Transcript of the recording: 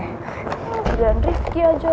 eh pilihan rifqin aja